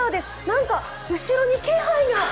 なんか後ろに気配が。